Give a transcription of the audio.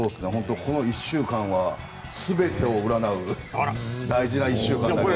この１週間は全てを占う大事な１週間です。